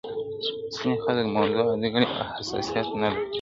ځيني خلک موضوع عادي ګڼي او حساسيت نه لري,